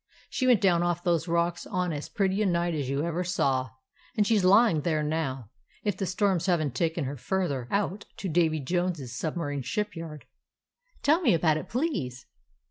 She went down off those rocks on as pretty a night as you ever saw. And she 's lying there now, if the storms have n't taken her further out to Davy Jones' submarine shipyard." "Tell me about it, please."